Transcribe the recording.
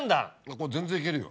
これ全然いけるよ。